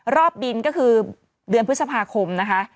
รอบบินก็คือเดือนพฤษภาคมนะคะ